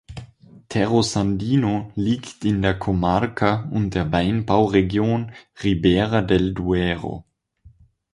Torresandino liegt in der Comarca und der Weinbauregion "Ribera del Duero".